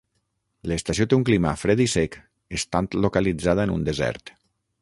L'estació té un clima fred i sec, estant localitzada en un desert.